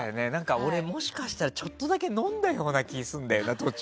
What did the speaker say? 俺、もしかしたらちょっとだけ飲んだような気がするんだよな。